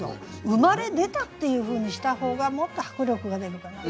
生まれ出たっていうふうにした方がもっと迫力が出るかな。